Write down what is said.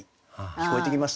聞こえてきますね。